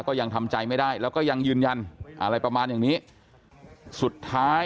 ก็ยังทำใจไม่ได้แล้วก็ยังยืนยันอะไรประมาณอย่างนี้สุดท้าย